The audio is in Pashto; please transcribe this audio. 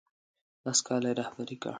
لس کاله یې رهبري کړ.